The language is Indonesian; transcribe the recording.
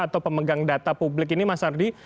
atau pemegang data publik ini mas ardi